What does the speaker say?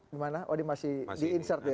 di mana oh ini masih di insert ya